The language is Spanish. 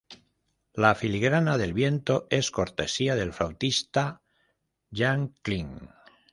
La filigrana de viento es cortesía del flautista Jan Kling.